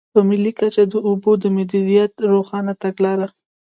په ملي کچه د اوبو د مدیریت روښانه تګلاره.